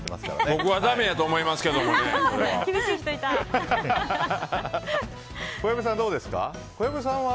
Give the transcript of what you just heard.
僕はだめやと思いますけどねそれは。